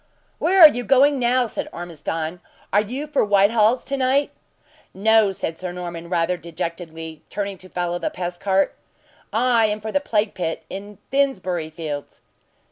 "Where are you going now?" said Ormiston. "Are you for Whitehall's to night?" "No!" said Sir Norman, rather dejectedly, turning to follow the pest cart. "I am for the plague pit in Finsbury fields!"